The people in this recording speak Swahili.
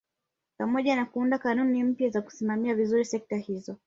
Pamoja na kuunda kanuni mpya za kusimamia vizuri sekta hizo